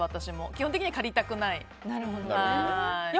基本的には、借りたくない。